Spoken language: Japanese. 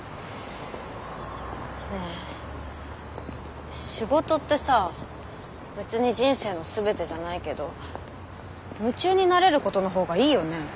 ねえ仕事ってさ別に人生の全てじゃないけど夢中になれることの方がいいよね？